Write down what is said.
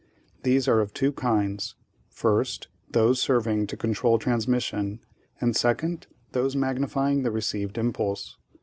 These are of two kinds: First, those serving to control transmission, and, second, those magnifying the received impulse.